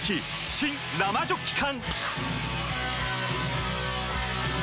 新・生ジョッキ缶！